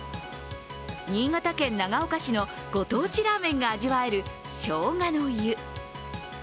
新潟県長岡市のご当地ラーメンが味わえる、しょうがの湯。